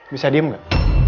bisa diem gak